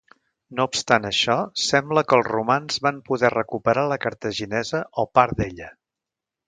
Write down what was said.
No obstant això sembla que els romans van poder recuperar la Cartaginesa o part d'ella.